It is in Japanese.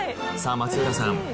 さあ松浦さん